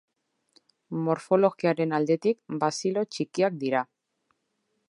Morfologiaren aldetik bazilo txikiak dira.